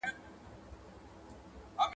يو مار، بل مار نه سي خوړلاى.